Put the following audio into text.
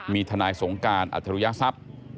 มีทนายสงการอัธรุยศัพท์